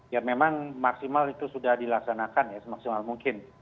ya memang maksimal itu sudah dilaksanakan ya semaksimal mungkin